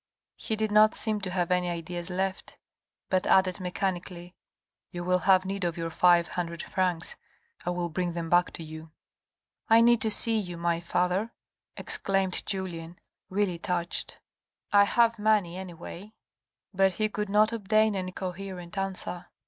He did not seem to have any ideas left, but added mechanically, u You will have need of your five hundred francs, I will bring them back to you." M I need to see you, my father," exclaimed Julien, really touched. " I have money, anyway." But he could not obtain any coherent answer.